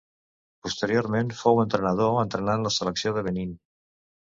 Posteriorment fou entrenador, entrenant la selecció de Benín.